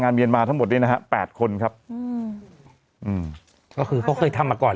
งานเบียนมาทั้งหมดนี้นะครับ๘คนครับก็คือเขาเคยทำมาก่อน